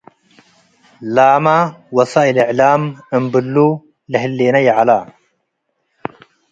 ላመ “ወሳእል እዕላም” እምብሉ ለህሌነ ይዐለ።